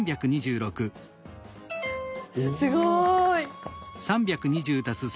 すごい。